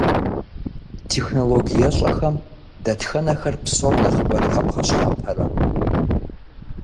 Технологиещӏэхэм дэтхэнэхэр псом нэхъыбэрэ къэбгъэщхьэпэрэ?